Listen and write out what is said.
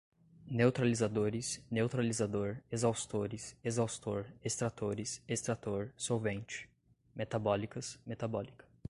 neutralizadores, neutralizador, exaustores, exaustor, extratores, extrator, solvente, metabólicas, metabólica